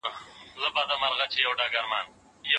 خدای د مظلومانو فریاد اوري.